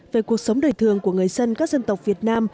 về cuộc sống đời thường của người dân các dân tộc việt nam